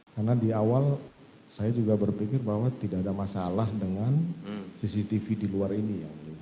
karena di awal saya juga berpikir bahwa tidak ada masalah dengan cctv di luar ini